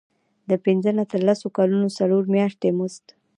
د پنځه نه تر لس کلونو څلور میاشتې مزد.